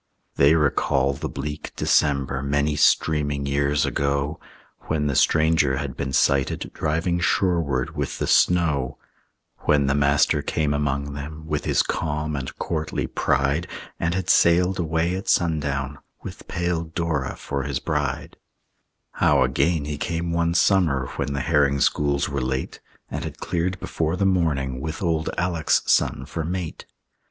They recall the bleak December Many streaming years ago, When the stranger had been sighted Driving shoreward with the snow; When the Master came among them With his calm and courtly pride, And had sailed away at sundown With pale Dora for his bride; How again he came one summer When the herring schools were late, And had cleared before the morning With old Alec's son for mate.